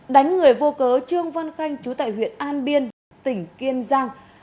đánh người vô cớ trương văn khanh chú tại huyện an biên tỉnh kiên giang